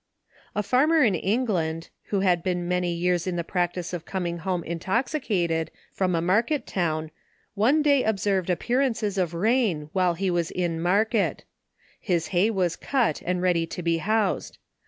A farmer in England, who had been many years in the practice of coining home intoxicated, from a market town, one day observed appearances of rain, while lie was in market. His hay was cut, and ready to be housed..